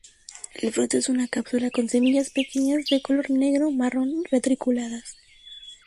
El fruto es una cápsula con semillas pequeñas, de color negro -marrón, reticuladas.